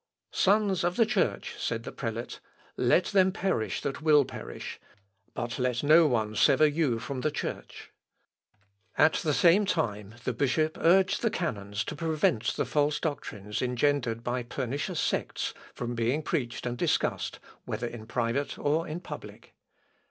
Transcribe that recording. "Sons of the church," said the prelate, "let them perish that will perish, but let no one sever you from the church." At the same time the bishop urged the canons to prevent the false doctrines engendered by pernicious sects from being preached and discussed, whether in private or in public.